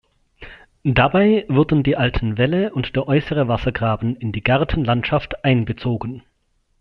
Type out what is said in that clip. Dabei wurden die alten Wälle und der äußere Wassergraben in die Gartenlandschaft einbezogen.